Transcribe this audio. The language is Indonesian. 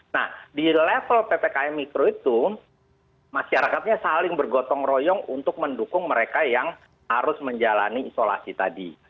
nah di level ppkm mikro itu masyarakatnya saling bergotong royong untuk mendukung mereka yang harus menjalani isolasi tadi